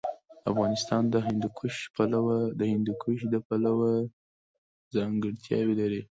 افغانستان د هندوکش پلوه ځانګړتیاوې لري.